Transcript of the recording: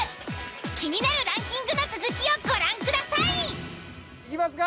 気になるランキングの続きをご覧ください！いきますか。